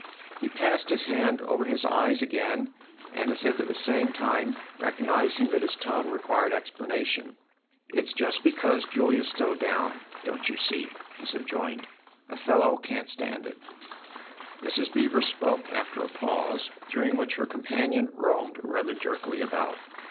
He passed his hand over his eyes again, and as if at the same time recognising that his tone required explanation, " It's just because Julia's so down, don't you see?" he subjoined. "A fellow can't stand it." Mrs. Beever spoke after a pause during which her companion roamed rather jerkily about.